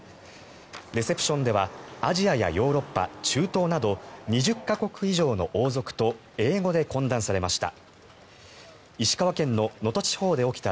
レセプションではアジアやヨーロッパ、中東など２０か国以上の王族と英語で懇談されました。